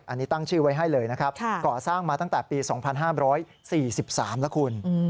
อันนี้ตั้งชื่อไว้ให้เลยนะครับก่อสร้างมาตั้งแต่ปี๒๕๔๓แล้วคุณ